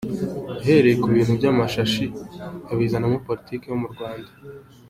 Yahereye ku bintu by’ amashashi, abizanamo politiki zo mu Rwanda.